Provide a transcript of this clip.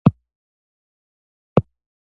یوازې تګ خطرناک دی.